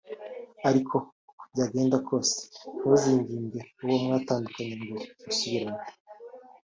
ariko uko byagenda kose ntuzinginge uwo mwatandukanye ngo musubirane